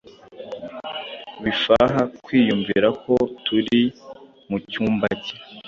bifaha kwiyumviha ko turi mucyumba cye.